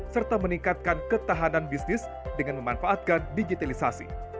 serta meningkatkan ketahanan bisnis dengan memanfaatkan digitalisasi